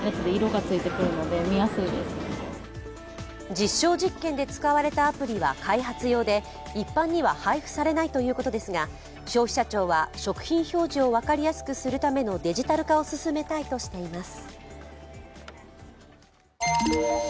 実証実験で使われたアプリは開発用で一般には配布されないということですが、消費者庁は食品表示を分かりやすくするためのデジタル化を進めたいとしています。